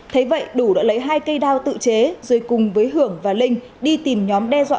thấy vậy đủ đã lấy hai cây đao tự chế rồi cùng với hưởng và linh đi tìm nhóm đe dọa phát để trả thù